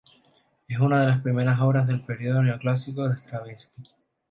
Es una de las primeras obras del período "neoclásico" de Stravinski.